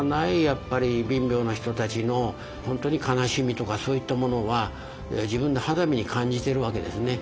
やっぱり貧乏な人たちの本当に悲しみとかそういったものは自分の肌身に感じてるわけですね。